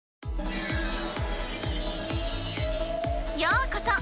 ようこそ！